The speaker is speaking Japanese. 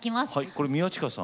これ宮近さん